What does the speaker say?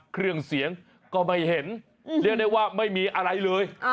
เครื่องเสียงก็ไม่เห็นเรียกได้ว่าไม่มีอะไรเลย